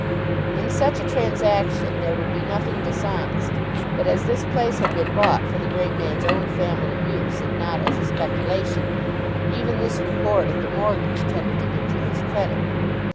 In such a transaction there would be nothing dishonest; but as this place had been bought for the great man's own family use, and not as a speculation, even this report of the mortgage tended to injure his credit.